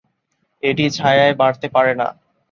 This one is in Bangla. এটি ছায়ায় বাড়তে পারে না।